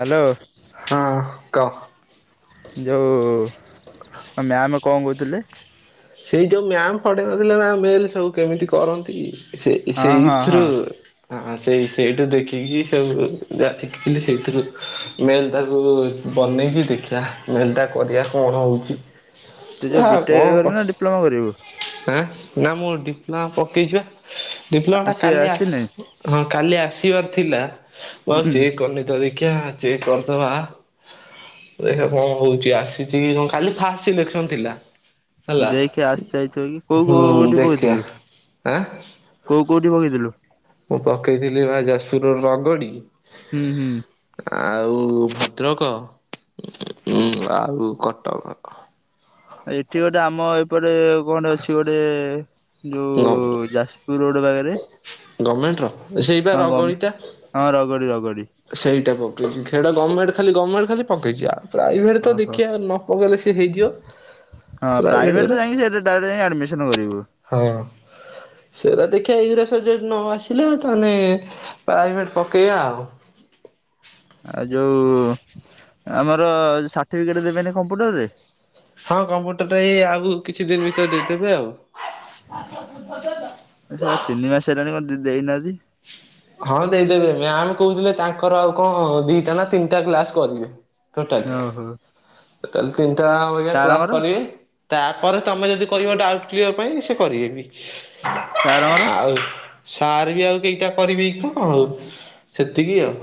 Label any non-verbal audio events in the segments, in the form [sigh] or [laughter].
Hello ହଁ କ। ଯୋଉ ମ୍ୟାାମ କଁ କୋଉଥିଲେ। ସେଇ ଯୋଉ ମ୍ୟାମ୍ ପଢେଇ ନଥିଲେ ନା ମେଲ ସବୁ କେମିତି କରନ୍ତି। ସେ ହଁ ହଁ ହଁ ସେଇଥିରୁ ହ ସେଇ ସେଇଠୁ ଦେଖିକି ସବୁ ଯାହା ଶିଖିଥିଲି ସେଇଥିରୁ ମେଲ ତାକୁ ବନେଇଛି ଦେଖିଆ ମେଲ୍ଟା କରିଆ କଣ ହଉଛି। ତୁ ଯୋଉ ଆ ବି କଣ ଟେକ କ କରିବୁ ନା ଡିପ୍ଲମା କରିବୁ। ଆଁ ନା ମୁଁ ଡିପ୍ଲୋମା ପକେଇଛି ପା ଡିପ୍ଲୋମା ଟା ଆସି କାଲି ଆସିନି ଆସି ହଁ କାଲି ଆସିବାର ଥିଲା ମୁ ଆଉ ହୁଁ ଚେକ୍ କରିନି ତ ଦେଖିଆ ଚେକ୍ କର୍ଦବା। ଦେଖା କଁ ହଉଛି ଆସିଛି କି କଁ ଖାଲି ଫାଷ୍ଟ୍ ସିଲେକ୍ସନ ଥିଲା ହେଲା। ଆସ୍ ସାଇଥିବ କି କୋଉ କୋଉ ହୁଁ ଉଠି ଦେଖିଆ ପକେଇଥିଲୁ ଆଁ କୋଉ କୋଉଠି ପକେଇଥିଲୁ। ମୁଁ ପକେଇଥିଲି ବା ଯାଜପୁର ର ରଗଡି। ହୁଁ ହୁଁ। ଆଉ ଭଦ୍ରକ ଉଁ ଆଉ କଟକ। ଏଠି ଗୋଟେ ଆମ ଏପଟେ କଣ୍ଟେ ଅଛି ଗୋଟେ, ଗ ଯୋଉ ଯାସ ପୁର ରୋଡ଼ ପାଖରେ ଗମେଣ୍ଟର ସେଇପା ହଁ କ ରଗଡିଟା ହଁ ରଗଡ଼ି-ରଗଡ଼ି। ସେଇଟା ପକେଇଚି ଖେଡା ଗମେଣ୍ଟ ଖାଲି ଗମେଣ୍ଟ ଖାଲି ପକେଇଚି ଆ ପ୍ରାଇଭେଟ୍ ତ ଓହୋ ଦେଖିଆ ନ ପକେଇଲେ ସେ ହେଇଯିବ। ହଁ ପ୍ରାଇଭେଟ ତ ଯାଇଁକି ସେଟା ଡାଇରେକ୍ଟ ଯାଇକି ଆଡ୍ମିସନ କରିବୁ। ହଁ ସେରା ଦେଖ ସେଇଗରା ସ ଯଦ ନ ଆସିଲା ତାହେନେ ପ୍ରାଇଭେଟ୍ ପକେଇଆ ଆଉ। ଆ ଯୋଉ ଆମର ସାର୍ଟିଫିକେଟ ଦେବେନି କମ୍ପ୍ୟୁଟରରେ। ହଁ କମ୍ପ୍ୟୁଟର ଟା ଏଇ ଆଉ କିଛି ଦିନ୍ ଭିତରେ ଦେଇଦେବେ ଆଉ। [unintelligible] ଏ ସଳା ତିନି ମାସ ହେଲାଣି କ ଦ-ଦେଇନାହାନ୍ତି। ହଁ ଦେଇଦେବେ ମ୍ୟାମ୍ କହୁଥିଲେ ତାଙ୍କର ଆଉ ଙ୍କ ଦିଟା ନା ତିନ୍ ଟା କ୍ଲାସ୍ କରିବେ। ଓହୋ। ତାହଲେ ତିନ୍ ଟା ବାଗିଆ କ୍ଲାସ୍ ସାରଙ୍କର କରିବେ। ତାପରେ ତମେ ଯଦି କହିବ ଡାଉଟ୍ କ୍ଲିୟର ପାଇଁ ସେ କରିବେ ବି। ସାରଙ୍କର ଆଉ ସାର୍ ବି ଆଉ ଦିଟା। କରିବେ କି ଙ୍କ ଆଉ ସେତିକି ଆଉ।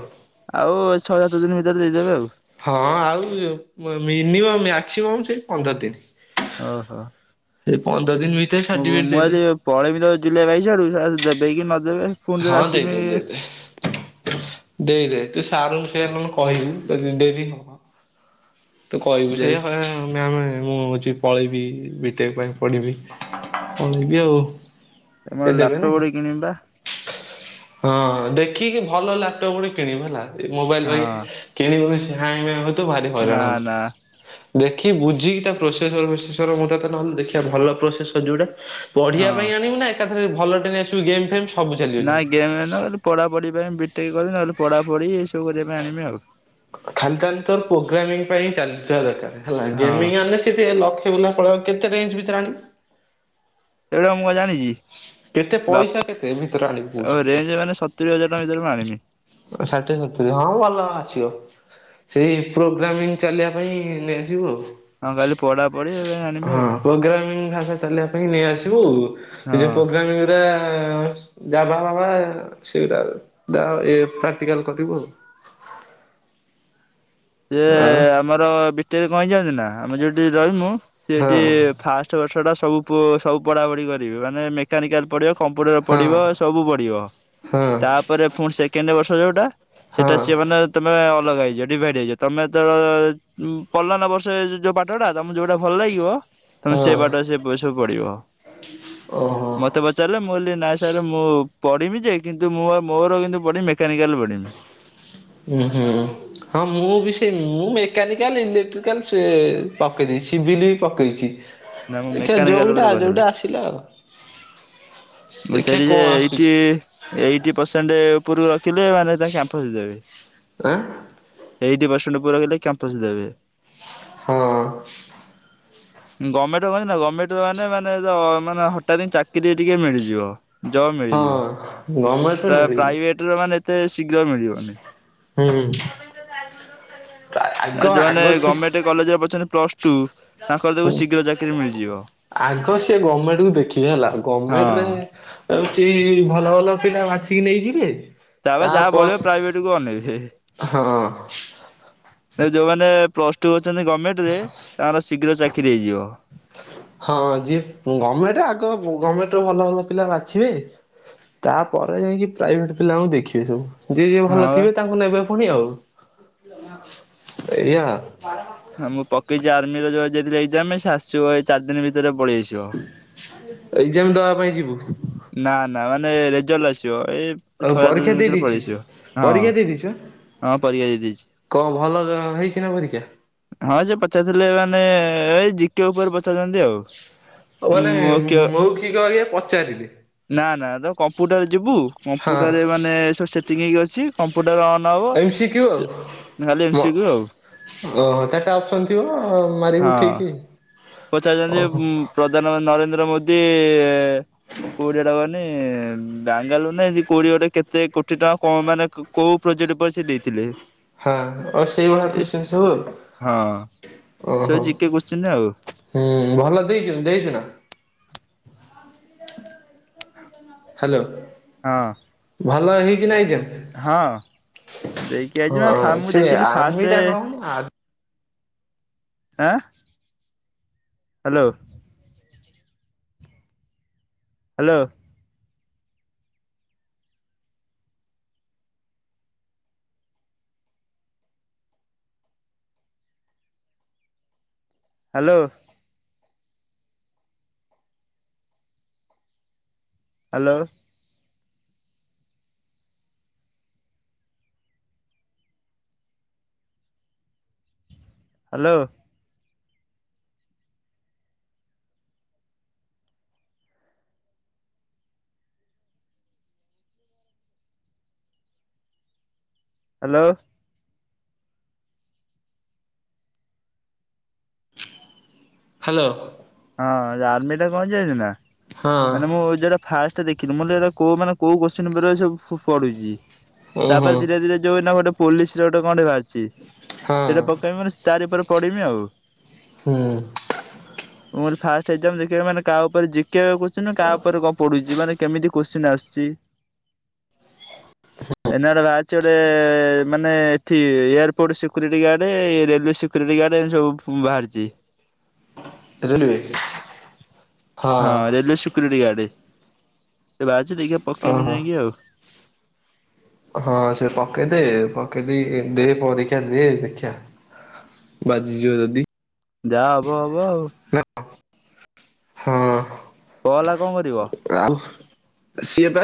ଆଉ ଛଅ ସାତ ଦିନି ଭିତରେ ଦେଇଦେବେ ଆଉ। ହଁ ଆଉ ମ-ମିନିମମ୍ ମାକ୍ସିମମ୍ ସେଇ ପନ୍ଦର ଦିନ୍। ଓହୋ। ସେ ପନ୍ଦର ଦିନ ଭି ମୁଁ-ମୁଁ ଆଜି ପଳେଇବି ତ ଜୁଲାଇ ବାଇଶି ଆଡକୁ ସଳା ଦେବେ କି ନ ଦେବେ ଫୁଣି ଥରେ ଆସିମି। ଦେଇ ଦେ ତୁ ସାରୁ ଙ୍କୁ ସେୟା ନନେ କହିବୁ ଯଦି ଡେରି ହବ। ତୁ କହିବୁ ଯେ ସେଆ ମାମ ମୁଁ ହଉଚି ପଳେଇବି ବିଟେକ ପାଇଁ ପଢିବି। ପଳେଇବି ଆଉ। ସେ ତମର ଦେବେନି ଲାପଟପ ଗୋଟେ କିଣିମି ପା। ହଁ ଦେଖିକି ଭଲ ଲାପଟପ୍ ଗୋଟେ କିଣିବୁ ହେଲା ଏ ମୋବାଇଲ ପାଇଁ ହଁ କିଣିବୁ ସିଏ ହ୍ୟାଙ୍ଗ ମ୍ୟାଙ୍ଗ ହଉଥୁବ ଭାରି ନା ହଇରାଣ ହବୁ। ନା ଦେଖି ବୁଝିକି ତା ପ୍ରୋସେସର ଫ୍ରୋସେସର ମୁ ତତେ ନହଲେ ଦେଖିବା ଭଲ ପ୍ରୋସେସ ଯୋଉଟା ପଢ଼ିବା ହଁ। ପାଇଁ ଆଣିବୁ ନା ଏକାଥରେ ଭଲ ଟେ ନେଇ ଆସିବୁ ଗେମ୍ ଫେମ୍ ସବୁ ଚାଲିବ ନା ଯେମିତି। ଗେମ୍ ନହଲେ ପଢାପଢି ପାଇଁ ବିଟେକ କରିିବି ନହେଲେ ପଢାପଢି ଏଇ ସବୁ କରିବା ପାଇଁ ଆଣିବି ଆଉ। ଖାଲି ତାନେ ତୋର ପୋଗ୍ରାମିଂ ପାଇଁ ଚାଲିିଥିବା ଦରକାର ହେଲା ହଁ ଗାମିଙ୍ଗ ଆଣିଲେ ସେ ଟିକେ ଲକ୍ଷେ [unintelligible] କେତେ ରେଞ୍ ଭିତରେ ଆଣିବୁ? ସେଇଟା ମୁଁ କ ଜାଣିଚି କେତେ ବାପ ପଇସା କେତେ ଭିତରେ ଆଣିବୁ କହୁଛୁ ଆଉ ରେଞ୍ଜ ମାନେ ସତୁରି ହଜାର ଟଙ୍କା ଭିତ ମୁ ଆଣିମି। ଷାଠିଏ ସତୁୁରୀ ହଁ ଭଲ ଆସିବ। ସେଇ ପ୍ରୋଗ୍ରାମିଂ ଚାଲିବା ପାଇଁ ନେଇଆସିବୁ ଆଉ। ହଁ ଖାଲି ପଢା ପଢି ଏ ହଁ ପ୍ରୋଗ୍ରାମିଂ ଭାଷା ଚାଲିବା ପାଇଁ ନେଇ ଆସିବୁ ହେ ଯୋଉ ହଁ। ପ୍ରୋଗ୍ରାମିଂ ଆ ଯାଭ ବାବା ଆ ସେଗଟା ଜା ପ୍ରାକ୍ଟିକାଲ କରିବୁ ଆଉ। ସିଏ ଆଉ ଆମର ବିଟେକ କଁ ହେଇଚି ଜାନଚୁ ନା ଆମେ ଯୋଉଠି ରହିମୁ ସେଠି ଆଉ ଫାଷ୍ଟ ବର୍ଷଟା ସବୁ ସବୁ ପୁ ପଢାପଢି କରିବେ ମାନେ ମେକାନିକାଲ୍ ପଢ଼ିବ କମ୍ପୁଟର ହଁ ପଡିବ ସବୁ ପଡିବ। ହଁ ତା ପରେ ପୁଣି ସେସେଣ୍ଡ ଇୟର ବର୍ଷ ଯୋଉ ଟା ହଁ ସେଇଟା ସିଏ ମାନେ ତମେ ଅଲଗା ହେଇଯିବ ଡିଭାଇଡ ହେଇଯିବ। ତମେ ତର ପଲନ ନା ବର୍ଷେ ଯୋଉ ପାଟ ଟା ତମକୁ ଯୋଉଟା ଭଲ ଲାଗିବ ହଁ ତମେ ସେ ହଁ ବାଟ ସେ ସବୁ ପଡିବ। ଓହୋ। ମତେ ତେ ପଚାରିଲେ ମୁଁ କଲି ନା ସାର୍ ମୁଁ ପଢ଼ିବି ଯେ କିନ୍ତୁ ମୁଁ ଆଉ ମୋର କିନ୍ତୁ ପଢି ମେକାନିକାଲ ପଢମି। ହୁଁ ହୁଁ। ହଁ ମୁଁ ବି ସେଇ ମୁଁ ମେକାନିକାଲ ଇଲେକ୍ଟ୍ରିକାଲ ସେ ପକେଇ ଦେଇଚି ସିଭିଲ୍ ବି ପକେଇଚି। ନା ମୁଁ ମେକାନିକାଲ ଉପରେ କରିମି। ଥିଲା ଆଉ। ମୁଁ ଦେଖିବା ସିଆଡେ କଣ ଯାଏ ଆସୁଛି ଟିକେ। ଏଇଟି ପରସେଣ୍ଟେ ଉପୁରୁକୁ ରଖିଲେ ମାନେ ତା କ୍ୟାମ୍ପସ ଦେବେ। ଆଁ ଏଇଟି ପରସେଣ୍ଟେ ଉପୁରୁକୁ ରଖିଲେ କ୍ୟାମ୍ପସ୍ ଦେବେ। ହଁ ଗମେଣ୍ଟ କୁ ନା ଗମେଣ୍ଟେ ମାନେ- ମାନେ- ଅ-ମାନେ ହଠାତେ ହିଁ ଚାକିରି ଟିକେ ମିଳିଯିବ। ହଁ -ଗମେଣ୍ଟ୍ ତା-ପ୍ରାଇଭେଟ୍ ରେ ମାନେ ଏତେ ଶୀଘ୍ର ମିଳିବନି। ହୁଁ। ଆଗ ଆ- ଯଉମାନେ ଆଗ ସେ ଗମେଣ୍ଟେ କଲେଜରେ ପଢୁଚନ୍ତି ପ୍ଲସ୍ ଟୁ ତାଙ୍କର ଦେଖିବୁ ଶୀଘ୍ର ଚାକିରି ମିଳିଯିବ। ଆଗ ସିଏ ଗମେଣ୍ଟ୍ କୁ ଦେଖିବେ ହେଲା ଗମେଣ୍ଟ୍ ରେ ହଁ ଆ-କିଛି ଭଲ ଭଲ ପିଲା ବାଛିିକି ନେଇଯିବେ ତାପରେ ଯାହା ବଳିବ ପ୍ରାଇଭେଟ୍ କୁ ଅନେଇବେ। ହଁ ଏବେ ଯଉମାନେ ପ୍ଲସ୍ ଟୁ ପଢୁଚନ୍ତି ଗମେଣ୍ଟ୍ ରେ ତାଙ୍କର ଶୀଘ୍ର ଚାକିରି ହେଇଯିବ। ହଁ ଯିଏ ଗମେଣ୍ଟେ ଆଗ ଗମେଣ୍ଟ୍ ରୁ ଭଲ ଭଲ ପିଲା ବାଛିବେ ତାପରେ ଯାଇଁକି ପ୍ରାଇଭେଟ୍ ପିଲାଙ୍କୁ ଦେଖିବେ ସବୁ। ଯିଏ ଯିଏ ହଁ ଭଲ ବା। ଥିବେ ତାଙ୍କୁ ନେବେ ପୁଣି ଆଉ ଏଇଆ ଆଉ। ହଁ ମୁଁ ପକେଇଚି ଆର୍ମି ର ଯଉ [unintelligible] ଆସିବ ଏଇ ଚାରି ଦିନ୍ ଭିତରେ ପଳେଇଆସିବ। ଏକ୍ଜାମ୍ ଦବା ପାଇଁ ଯିବୁ? ନା -ନା ମାନେ ରେଜଲ୍ଟ ଆସିବ ଏଇ କଣ ଶହେ ସାତ ଦିନ ପରୀକ୍ଷା ଦେଇ ଭିତରେ ପଳେଇ ଦେଇଚୁ ଆସିବ। ହଁ -ପରୀକ୍ଷା ଦେଇ ଦେଇଚୁ -ଆଁ? ହଁ ପରୀକ୍ଷା ଦେଇଦେଇଚି। କଣ୍ ଭଲ ହ-ହେଇଚି ନା ପରୀକ୍ଷା? ହଁ ସେ ପଚାରିଥିଲେ ମାନେ ଏଇ ଜି କେ ଉପରେ ପଚାରୁଚନ୍ତି ଆଉ। ଓ ମାନେ ମୁଁ କିଏ ମୌଖିକ ଇଏ ପଚାରିଲେ? ନା -ନା ଦ କମ୍ପ୍ୟୁଟର ଯିବୁ ହଁ କମ୍ପୁଟରରେ ମାନେ ସେ ସେଟିଙ୍ଗ୍ ହେଇକି ଅଛି କମ୍ପୁଟର୍ ଅନ୍ ହବ ଏମ ସି କ୍ୟୁ ଆଉ ମ [unintelligible] ଆଉ। ଓହୋ ଚାରିଟା ଅପ୍ସନ୍ ଥିବ ମାରିବୁ ଠିକି। ପଚାରିଚନ୍ତି ଉଁ- ପ୍ରଧାନମନ୍ତ୍ରୀ ନରେନ୍ଦ୍ର ମୋଦି କୋଡିଏ ଟା ମାନେ ବାଙ୍ଗାଲୋର ନା ଏନ୍ତି କୋଡିଏ ଗୋଟେ କେତେ କୋଟି ଟଙ୍କା କଣ ମାନେ କ କଉ ପ୍ରୋଜେକ୍ଟ ଉପରେ ସେ ଦେଇଥିଲେ? ହଁ ଆଉ ସେଇଭଳିଆ ଏ କ୍ୱେଷ୍ଚେନ୍ ସବୁ ହଁ ଆଉ ସେ ଓହୋ। ଜିକେ କୋଶ୍ଚିନ୍ ଆଉ ହୁଁ ଭଲ ଦେଇଚୁ -ଦେଇଚୁ ନା? ହାଲୋ। ହଁ। ଭଲ ହେଇଚି ନାଁ ଏକ୍ଜାମ୍? ହଁ ଦେଇକି ଆଇଚି ଆଁ -ଫା-ମୁଁ ସେ ଦେଖିଲି ଫାଷ୍ଟେ ଆର୍ମିଟା କଣ ଆ ଆଁ -hello. Hello. Hello. Hello. Hello. Hello. Hello. ହଁ ଆର୍ମି ଟା କଣ୍ ଜାଣିଚୁ ନା ମାନେ ମୁଁ ହଁ ଯଉଟା ଫାଷ୍ଟ୍ ଟେ ଦେଖିଲି ମୁଁ କହିଲି ଏରା କଉ ମାନେ କଉ କୋଶ୍ଚିନ୍ ଉପରେ ସବୁ ପ-ପଡିଚି। ଉଁ ହୁଁ ତାପରେ ଧୀରେ ଧୀରେ ଯଉ ଏଇନା ଗୋଟେ ପୋଲିସ୍ ରେ ଗୋଟେ କଣ୍ ଟେ ବାହାରିଚି ହଁ ସେଇଟା ପକେଇବ ମାନେ ତାରି ଉପରେ ପଢିମି ଆଉ। ହୁଁ। ମୁଁ କହିଲି ଫାଷ୍ଟ୍ ଏକ୍ଜାମ୍ ଦେଖିବ ମାନେ କାହା ଉପରେ ଜିି କେ କୋଶ୍ଚିନ୍ ନା କାହା ଉପରେ [unintelligible] ପଡୁଚି ମାନେ କେମିତି କୋଶ୍ଚିନ୍ ଆସୁଚି? ହ ଏନା ଗୋଟେ ବାହାରିଚି ଗୋଟେ ମାନେ ଏଠି ଏୟାରପୋର୍ଟ ସିକ୍ୟୁରିଟି ଗାର୍ଡ ଏ ରେଲୱ ସିକ୍ଯୁରିଟି ଗାର୍ଡ ଏ ଯୋଉ ଫୁମ୍ ବାହାରିଚି। ରେଲୱେ ହଁ ରେଲୱେ ସିକ୍ଯୁରିଟି ଗାର୍ଡ ସେ ବାହାରିଚି ଟିକେ ପକେଇବି ଓହୋ। ଯାଇଁକି ଆଉ। ହଁ ସେ ପକେଇ ଦେ ପକେଇ ଦେଇିକି ଦେ ପରୀକ୍ଷା ଦେ ଦେଖିବା। ବାଜିଯିବ ଯଦି। ଯାହା ହବ ହବ ଆଉ। ହଁ କ ହେଲା କଣ କରିବ? ଆଉ ସିଏ ପା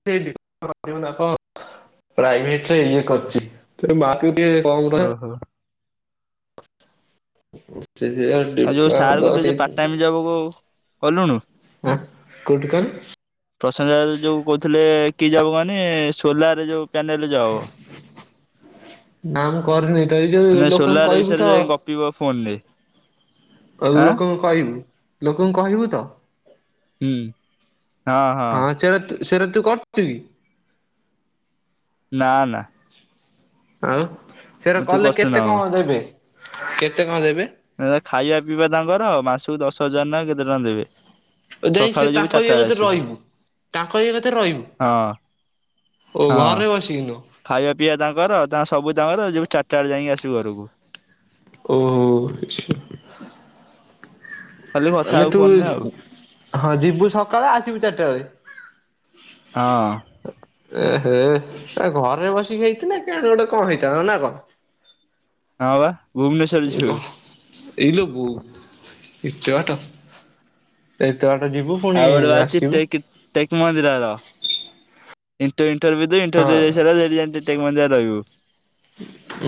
[unintelligible] ପ୍ରାଇଭେଟ ରେ ଇଏ କରିଚି। [unintelligible] ଓହୋ ଆଉ ଯୋଉ ସାର୍ କହିଲେ ଯୋଉ ପାର୍ଟ ଟାଇମ ଜବ କୁ [unintelligible] କଲୁଣୁ? ଆ କଉଠି କହନି? ପ୍ରଶାନ୍ତ ଦାଦା ଯୋଉ କୋଉଥିଲେ କି ଜବ ମାନେ ସୋଲାର ଯୋଉ ପ୍ୟାନେଲ ଜବ। ନା ମୁଁ କରିନି ତ ଏଇ ଯୋଉ ଲୋକଙ୍କୁ କଇବୁ ତ ପିବ ଫୋନ ରେ କହିବୁ ଲୋକଙ୍କୁ କହିବୁ ଲୋକଙ୍କୁ କହିବୁ ତ? ହୁଁ। ହଁ ସେଟା ତୁ ସେଟା ତୁ କରଚୁ କି? ନା ନା। ଆଉ ସେରା ମୁଁ ତୁ କଲେ କରୁଛୁ ନା କେତେ କଣ ଦେବେ କେତେ କଣ ଦେବେ? ମେନ ହେଲା ଖାଇବା ପିଇବା ତାଙ୍କର ଆଉ ମାସକୁ ଦଶ ହଜାର ନା କେତେ ଟଙ୍କା ଦେବେ। ଯାଇଙ୍କି ସେ ସକାଳୁ ଯିବୁ ତାଙ୍କ ଚାରିଟା ଇଏ ବେଳେ କତିରେ ଆସିବୁ ରଇବୁ ତାଙ୍କରି ଇଏ କତିରେ ରଇବୁ? ହଁ ଓ ହଁ ଘରେ ବସିକିି ନୁଅଁ? ଖାଇବା ପିଇବା ତାଙ୍କର ତାଙ୍କ ସବୁ ତାଙ୍କର ଯୋଉ ଚାରିଟା ବେଳେ ଯାଇଁକି ଆସିବି ଘରକୁ। ଓ ହ ଆଚ୍ଛା। ଖାଲି କଥା ମାନେ ହବୁ ତୁ ଫୋନରେ ଆଉ ହଁ ଯିବୁ ସକାଳେ ଆସିବୁ ଚାରିଟା ବେଳେ। ହଁ। ଏ ହେ ଏ ଘରେ ବସିକି ହେଇଥିଲେ କେଆଣି କଣ ଗୋଟେ ହେଇଥାନ୍ତା ନା କଣ? ହଁ ବା। ଭୁବନେଶ୍ୱର ଗ ଯିବୁ ହ ଏଇ ଲୋ ବୋଉ ଏତେ ବାଟ ଏତେ ବାଟ ଯିବୁ? ପୁଣି ଆଉ ଗୋଟେ ବାହାରିଚି ଆସିବୁ। ଟେକ୍ ଟେକ୍ ମନ୍ଦିରାର ଇଣ୍ଟର ଇଣ୍ଟରଭ୍ୟୁ ଏ ହଁ ଇଣ୍ଟରଭ୍ୟୁଦେଇ ଦେଇସାରିଲାରେ ସେଠି ଯାଇଁ ଟେକ୍ ମନ୍ଦିରା ରେ ରେ ରହିବୁ।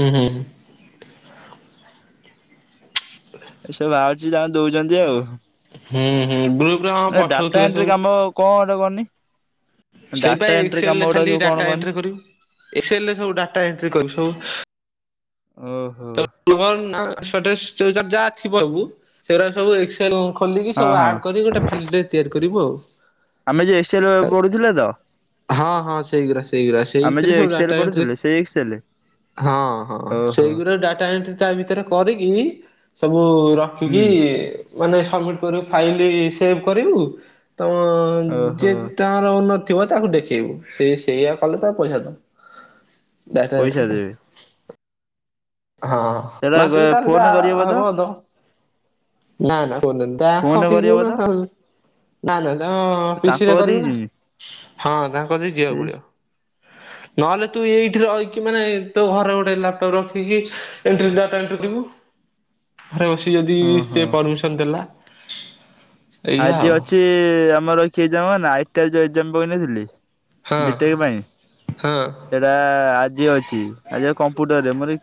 ଉଁ ହୁଁ ହୁଁ। ଏସବୁ ବାହାରୁଚି ଯାହା ଦଉଚନ୍ତି ଆଉ। ହୁଁ ହୁଁ ଗ୍ରୁପରେ ଆମର ପଠଉଥିଲେ ସବୁ। କଲ କରିନି। ସେଇପା ଏକ୍ସଲରେ ଖାଲି ସବୁ କଣ ଡାଟା କହନି ଏଣ୍ଟ୍ରି କରିବୁ ଏକ୍ସଲରେ ସବୁ ଡାଟା ଏଣ୍ଟ୍ରି କରିବୁ ସବୁ ଓ ହୋ। [unintelligible] ନାଁ ଆଡ୍ରେସ ଫାଡ୍ରେସ ସେ ଯାହା ଥିବ ସବୁ ସେଗୁରା ସବୁ ଏକ୍ସେ ତେଣୁ ଖୋଲିକି ହଁ ସବୁ ହଁ ଆଡ୍ କରିକି ଗୋଟେ ଫାଇଲିଟେ ତିଆରି କରିବୁ ଆଉ। ଆମେ ଯୋଉ ଏକ୍ସେଲ ଓ ପଢୁଥିଲେ ତ? ହଁ ହଁ ସେଇଗୁରା ସେଇଗୁରା ଆମେ ଯେ ସେଇଥିରେ ସବୁ ଏକ୍ସେଲ ଡ଼ାଟା ଏଣ୍ଟ୍ରି ପଢୁଥିଲେ ସେଇ ଏକ୍ସେଲ ହଁ ହଁ ଓହୋ ସେଇଗୁ ଡାଟା ଏଣ୍ଟ୍ରି ତା ଭିତରେ କରିକି ସବୁ ହୁଁ ରଖିକି ମାନେ ସବମିଟ୍ କରିବୁ ଫାଇଲ ସେଭ୍ କରିବୁ ତମ ଓହୋ ଯେ ତାର ଓନ ଥିବ ତାକୁ ଦେଖେଇବୁ ସେ ସେଇଆ କଲେ ତାକୁ ପଇସା ଦବ ପଇସା ଦେବେ ହଁ ସେଟା ମାସକୁ ତାର ଫୋନ ଯାହା କରିହବ ତ ହବ ଦବ ନା ନା ତା ଫୋନ କତିକି କରିହବ ଯିବୁନା ତ ଆଉ ନାଁ ନାଁ ତାଙ୍କ ଫିସ ରେ ତାଙ୍କ କତିକି କରିବିନା ଯିମି ହଁ ତାଙ୍କ କତିକି ଯିବାକୁ ପଡିବ ନହେଲେ ତୁ ଏଇଠି ରହିକି ମାନେ ତୋ ଘରେ ଗୋଟେ ଲାପଟପ ରଖ ଖିକି ଏଣ୍ଟ୍ରି ଡାଟା ଏଣ୍ଟ୍ରି ଜିବୁ ଘରେ ବସି ଯଦି ଓହୋ ସେ ପରମିସନ ଦେଲା ଏଇଆ ଆଜି ଆଉ ଅଛି ଆମର କିଏ ଜାଣନା ଆଇ ଟିଆର ରେ ଯୋଉ ଏକ୍ସାମ ପକେଇନଥିଲି ହଁ ବିଟେକ ପାଇଁ ହଁ ସେଇଟା ଆଜି ଅଛି ଆଜି କମ୍ପ୍ୟୁଟରରେ ମୋର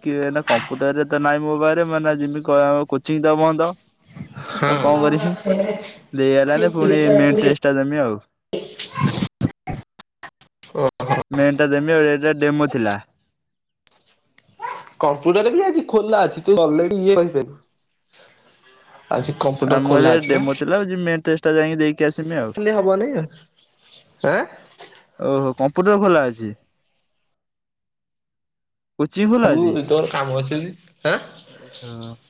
କମ୍ପ୍ୟୁଟର ରେ ତ ନାଇଁ ମୋ ପାଖରେ ମୁଁ ଏଇନା ଯିବି କ ଆ କୋଚିଂ ତ ବନ୍ଦ କଣ କରିମି ହଁ ଚେଷ୍ଟା ଦମି ଆଉ [inaudible] [inaudible] ମେନ୍ ଟା ଦେବି ଆ ଏଇଟା ଡେମୋ ଥିଲା କମ୍ପୁଟର ବି ଆଜି ଖୋଲା ଅଛି ତୁ ଗଲେ ବି ଇଏ କରିପାରିବୁ କମ୍ପ୍ୟୁଟର ଖୋଲା ଆମର ଅଛି ବା ଡେମୋ ଥିଲା ଆଉ ଯୋଉ ମେନ ଟେଷ୍ଟ ଟା ଯାଇକି ଦେଇକି ଆସିମି ଆଉ ଓନେ ୟର ଆଁ ଓହୋ କମ୍ପ୍ୟୁଟର ଖୋଲା ଅଛି କୋଚିଂ ଖୋଲା ତୁ ଅଛି ତୋର କାମ ଅଛି ଯଦି ଆଁ [unintelligible]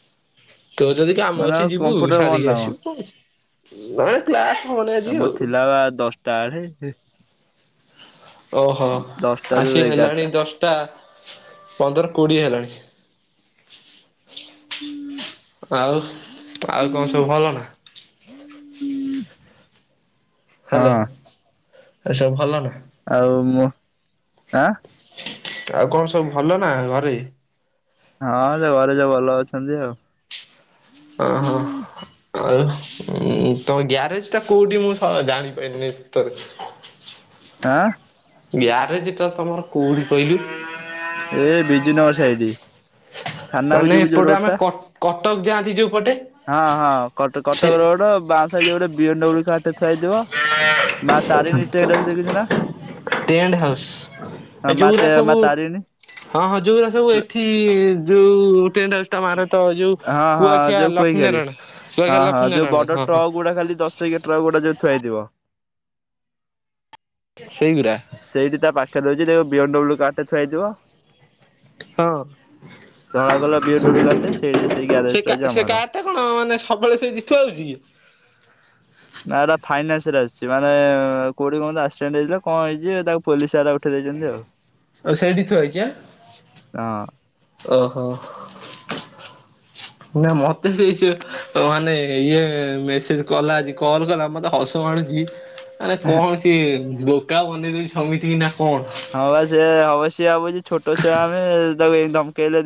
ତୋର ଯଦି କାମ ମାନେ ଅଛି ଆଉ ଯିବୁ କମ୍ପ୍ୟୁଟର ବନ୍ଦ ସାରିକି ନା ଆସିବୁ କଣ ଅଛି ନାଇଁ କ୍ଲାସ୍ ହଉନି ଆଜି ଆଉ ଦଶା [inaudible] ତା ଆଡ଼େ ଓହୋ ଦଶଟାରୁ ଆସି ହେଲାଣି ଏଗାରଟା। ଦଶଟା ପନ୍ଦର କୋଡିଏ ହେଲାଣି [inaudible] ଆଉ ଆଉ କଣ ସବୁ ଭଲ ନା? [inaudible] ହ୍ୟାଲୋ ହଁ ଆରେ ସବୁ ଭଲ ନା? ଆଉ ମୁଁ ଆଁ ଆଉ କଣ ସବୁ ଭଲ ନା ଘରେ। ହଁ ସେ ଘରେ ଯୋ ଭଲ ଅଛନ୍ତି ଆଉ। ଓହୋ ଆଉ ତମ ଗ୍ୟାରେଜ ଟା କୋଉଠି ମୁଁ ସା ଜାଣିପାରିଲିନି? ହଁ? ଗ୍ୟାରେଜ ଟା ତମର କୋଉଠି କହିଲୁ? ଏ ବିଜୁନଗର ସାଇଡି ମାନେ ଥାନାକୁ ଯିବୁ ଯୋଉ ଏପଟେ ରୋଡ ଆମେ ଟା? କଟକ ଯାଆନ୍ତି ଯୋଉ ପଟେ? ହଁ ହଁକଟ ସେ କଟକ ରୋଡ ବାଁଶା ଯୋଉ ଗୋଟେ ବି ଏନ ବ୍ଲୁ କାର୍ ଟା ଥୁଆହେଇଥିବ ମା ତାରିଣୀ ଟେଣ୍ଡ ହାଉସ୍ ଦେଖିଛୁ ନା? ଟେଣ୍ଟ ହାଉସ୍ ଏ ମା ଯୋଉୁରା ମା ସବୁ ତାରିଣୀ ହଁ ହଁ ଯୋଉରା ସବୁ ଏଠି ଯୋଉ ଟେଣ୍ଡ ହାଉସ୍- ତମର ତ ଯୋଉ ହଁ ହଁ କୁଅଖିଆ ଯୋଉ ଲକ୍ଷ୍ମୀ କୋଇକାରେ ନାରାୟଣ କୁଅଖିଆ ଲକ୍ଷ୍ମୀ ନାରାୟଣ ହଁ ହଁ। ପୁଅଟା ଖାଲି ଦ ସେଇ ଗେଟ୍ ରେ ଆଉ ଗୋଟେ ଯଉ ଥୁଆଇଥିବ ସେଇ ଗୁରା ସେଇଠି ତା ପାଖରେ ଦଉଛି ତା ବି ଏ ଡବ୍ଲୁ କାର୍ଡ ଟା ଥୁଆଇଥିବ ହଁ। ଣ୍ଡୁ କାଟେ ସେ ସେଇ ଗ୍ୟରେଜ୍ ଟା ହେଉଛି ଆମର ଏଟା କଣ ମାନେ ସବବେଳେ ସେ ଜିିତୁ ଆଉଚି କି? ନା ଏଇଟା ଫାଇନାନ୍ସ ରେ ଆସିଚି ମାନେ କୋଉଠି କମିତି ଆକସିଡେଣ୍ଟ ହେଇଥିଲେ କଣ ହେଇଚି ତାକୁ ପୋଲିସବାଲା ଉଠେଇ ଦେଇଛନ୍ତି ଆଉ ଓ ସେଇଠି ଥୁଆ ହେଇଛି ଆଁ ହଁ। ଓହୋ। ନା ମତେ ସେଇ ସେ ମାନେ ଇଏ ମେସେଜ କଲା ଆଜି କଲ୍ କଲା ମତେ ହସ ମାଡୁଛି ଆରେ କଣ ସିଏ ବୋକା ବନେଇ ଦଉଚି ସମିତିକି ନା କଣ? ହଁ ବା ସେ ହବଶ୍ୟ ଭାବୁଛି ଛୋଟ ଛୁଆ ଆମେ ତାକୁ ଧମକେଇଲେ